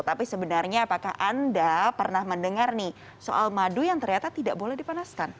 tapi sebenarnya apakah anda pernah mendengar nih soal madu yang ternyata tidak boleh dipanaskan